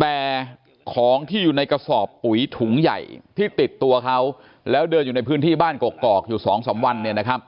แต่ของที่อยู่ในกระสอบปุ๋ยถุงใหญ่ที่ติดตัวเขาแล้วเดินอยู่ในพื้นที่บ้านกอกอยู่สองสามวันเนี่ยนะครับ